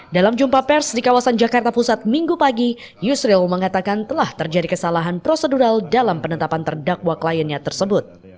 dalam jumpa pers di kawasan jakarta pusat minggu pagi yusril mengatakan telah terjadi kesalahan prosedural dalam penetapan terdakwa kliennya tersebut